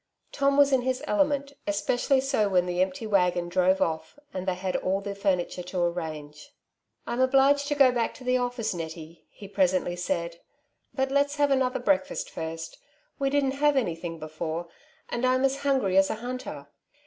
Tom was in his element, espe cially so when the empty waggon drove ofiF, and they had all the furniture to arrange. .^^ I'm obliged to go back to the office, Netty,'' he presently said, " but let's have another breakfast first ; we didn't have anything before, and I am as G 2 ^ 84 " Two Sides to every Question. hangry as a hunter.